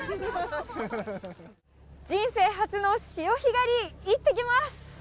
人生初の潮干狩り、いってきます。